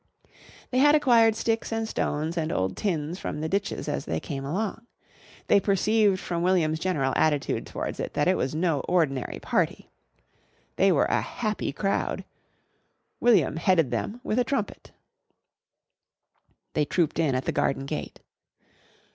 They had acquired sticks and stones and old tins from the ditches as they came along. They perceived from William's general attitude towards it that it was no ordinary party. They were a happy crowd. William headed them with a trumpet. They trooped in at the garden gate.